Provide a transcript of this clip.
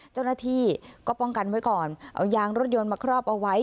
เจ้าหน้าที่ก็ป้องกันไว้ก่อนเอายางรถยนต์มาครอบเอาไว้